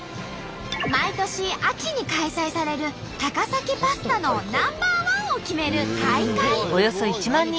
毎年秋に開催される高崎パスタのナンバーワンを決める大会。